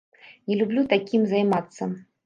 Не люблю такім займацца.